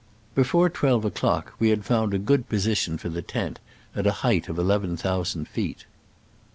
Before twelve o'clock we had found a good position for the tent, at a height of eleven thousand feet.